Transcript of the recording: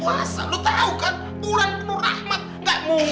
atau lu mau nyambilin padanya